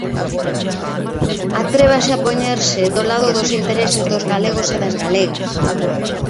Atrévase a poñerse do lado dos intereses dos galegos e das galegas.